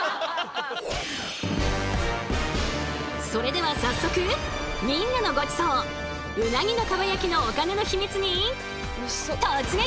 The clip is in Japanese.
それでは早速みんなのごちそううなぎの蒲焼きのお金のヒミツに突撃！